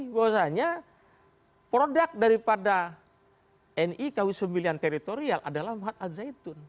ini bahwasanya produk daripada ni kwc pilihan teritorial adalah mahat al zaitun